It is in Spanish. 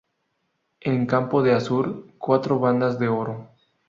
En campo de azur, cuatro bandas de oro.